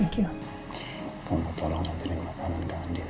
kau mau tolong nantikan makanan ke andir